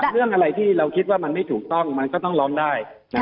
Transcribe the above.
เรื่องอะไรที่เราคิดว่ามันไม่ถูกต้องมันก็ต้องร้องได้